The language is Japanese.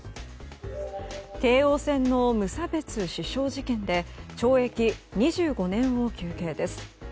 京王線の無差別刺傷事件で懲役２５年を求刑です。